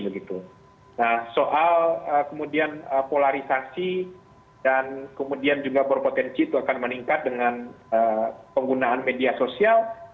nah soal kemudian polarisasi dan kemudian juga berpotensi itu akan meningkat dengan penggunaan media sosial